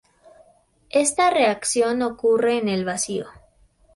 Esta reacción ocurre en el vacío.